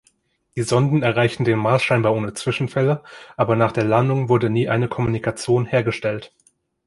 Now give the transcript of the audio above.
Die Sonden erreichten den Mars scheinbar ohne Zwischenfälle, aber nach der Landung wurde nie eine Kommunikation hergestellt.